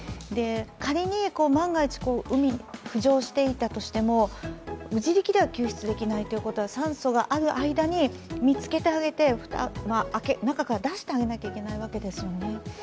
仮に万が一、浮上していたとしても自力では救出できないということは、酸素がある間に見つけてあげて、中から出してあげなきゃいけないわけですものね。